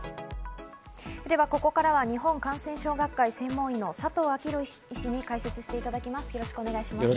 ではここからは日本感染症学会・専門医の佐藤昭裕医師に解説していただきます。